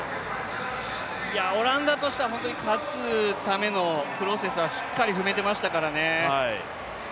オランダとしては、本当に勝つためのプロセスはしっかり踏めていましたからね。